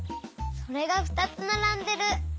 それがふたつならんでる。